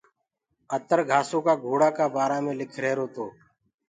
اتر گھآسو ڪآ گھوڙآ ڪآ بآرآ مي لکرهيرو تو۔